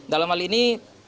dalam hal ini